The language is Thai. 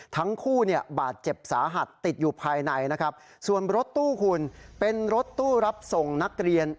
ทั้งคู่เนี่ยบาดเจ็บสาหัสติดอยู่ภายในนะครับส่วนรถตู้คุณเป็นรถตู้รับส่งนักเรียน